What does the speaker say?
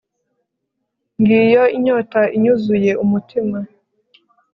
ngiyo inyota inyuzuye umutima